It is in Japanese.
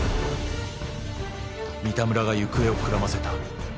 ［三田村が行方をくらませた］